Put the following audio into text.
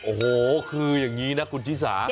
โอ้โหคืออย่างนี้นะคุณชิสา